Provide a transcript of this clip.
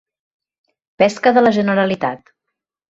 Pesca de la Generalitat.